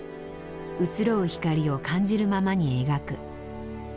移ろう光を感じるままに描く。